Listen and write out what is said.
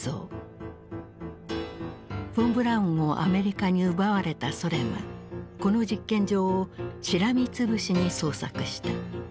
フォン・ブラウンをアメリカに奪われたソ連はこの実験場をしらみつぶしに捜索した。